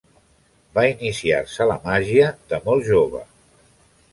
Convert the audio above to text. Va iniciar-se a la màgia de molt jove.